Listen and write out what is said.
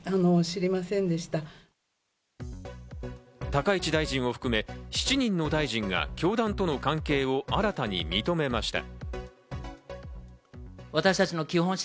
高市大臣を含め、７人の大臣が教団との関係を新たに認めました。